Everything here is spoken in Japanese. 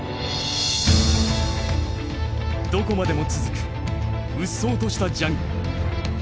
どこまでも続くうっそうとしたジャングル。